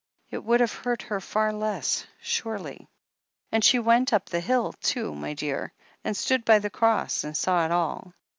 It would have hurt her far less, surely. "And she went up the hill, too, my dear, and stood by the Cross and saw it all.